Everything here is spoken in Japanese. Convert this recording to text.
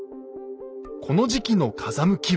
この時期の風向きは。